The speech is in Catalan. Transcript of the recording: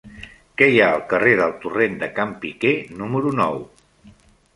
Què hi ha al carrer del Torrent de Can Piquer número nou?